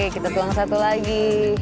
kita tuang satu lagi